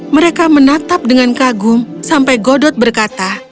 mereka menatap dengan kagum sampai godot berkata